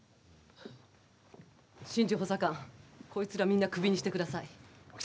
新城補佐官、こいつらみんなクビにしてください。